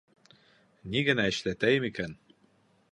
Ни генә эшләтәйем икән?!